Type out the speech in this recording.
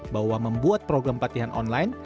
bahwa membuat program pelatihan online